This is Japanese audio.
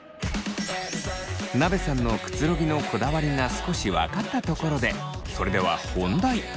なべさんのくつろぎのこだわりが少し分かったところでそれでは本題。